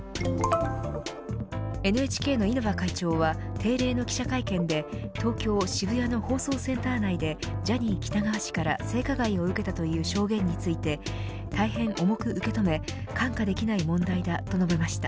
ＮＨＫの稲葉会長は定例の記者会見で東京・渋谷の放送センター内でジャニー喜多川氏から性加害を受けたという証言について大変重く受け止め看過できない問題だと述べました。